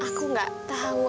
aku gak tau